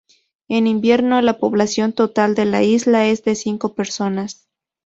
En invierno, la población total de la isla es de cinco personas.